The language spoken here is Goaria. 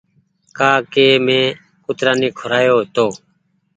ڪآ ڪي مينٚ ڪترآ ني کورآيو هيتو